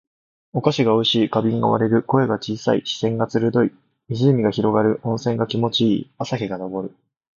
お菓子が美味しい。花瓶が割れる。声が小さい。視線が鋭い。湖が広がる。温泉が気持ち良い。朝日が昇る。